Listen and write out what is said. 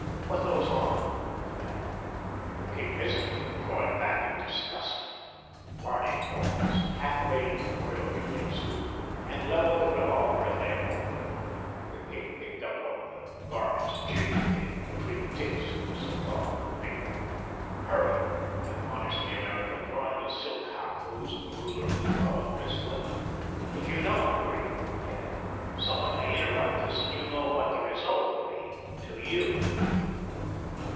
"Put those on," he commanded. The king hesitated, drawing back in disgust. Barney paused, half way into the royal union suit, and leveled the revolver at Leopold. The king picked up one of the garments gingerly between the tips of his thumb and finger. "Hurry!" admonished the American, drawing the silk half hose of the ruler of Lutha over his foot. "If you don't hurry," he added, "someone may interrupt us, and you know what the result would be—to you."